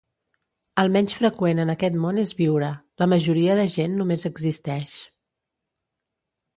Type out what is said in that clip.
El menys freqüent en aquest món és viure. La majoria de gent només existeix.